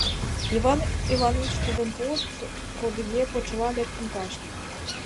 — Иван Иванович кидым пуышат, кодыге почела лектын кайышт.